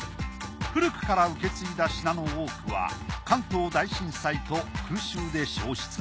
古くから受け継いだ品の多くは関東大震災と空襲で焼失。